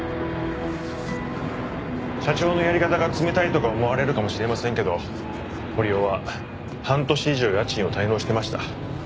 社長のやり方が冷たいとか思われるかもしれませんけど堀尾は半年以上家賃を滞納してました。